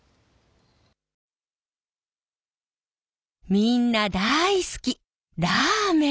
みんな大好きラーメン！